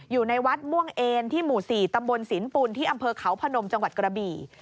อยู่ในวัดม่วงเอนที่หมู่๔ตำบลสินปุ่นที่อำเภอเขาพนมจังหวัดกระบี่